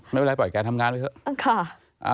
ไม่เป็นไรที่ทำงานเถอะ